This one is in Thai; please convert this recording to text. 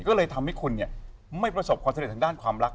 ก็เลยทำให้คุณเนี่ยไม่ประสบความเศรษฐ์ทางด้านความรัก